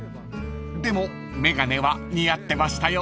［でも眼鏡は似合ってましたよ］